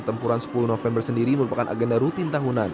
drama kolosal pertempuran sepuluh november sendiri merupakan agenda rutin tahunan